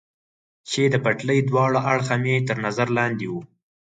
چې د پټلۍ دواړه اړخه مې تر نظر لاندې و.